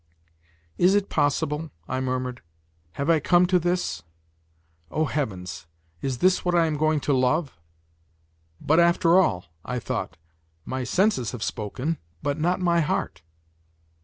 "Is it possible," I murmured, "have I come to this? O, heavens! is this what I am going to love? But after all," I thought, "my senses have spoken, but not my heart."